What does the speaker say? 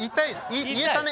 言えたね